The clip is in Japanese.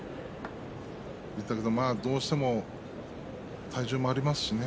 だけどどうしても体重もありますしね。